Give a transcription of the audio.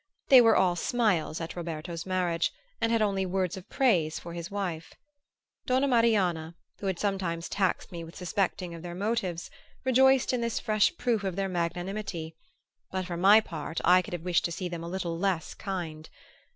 They were all smiles at Roberto's marriage, and had only words of praise for his wife. Donna Marianna, who had sometimes taxed me with suspecting their motives, rejoiced in this fresh proof of their magnanimity; but for my part I could have wished to see them a little less kind.